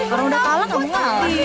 baru udah kalah kamu lah